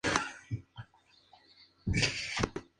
Posteriormente sería nombrado sátrapa de Hircania.